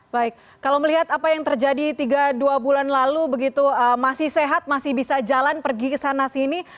baik kalau melihat apa yang terjadi tiga dua bulan lalu begitu masih sehat masih bisa jalan pergi ke sana sini